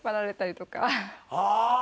ああ。